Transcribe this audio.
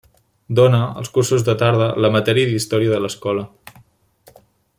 Dóna, als cursos de tarda, la matèria d'Història de l'Escola.